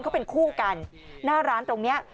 เขาเป็นคู่กันหน้าร้านตรงนี้